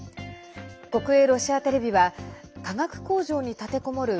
国営ロシアテレビは化学工場に立てこもる